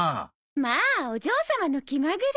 まあお嬢様の気まぐれ。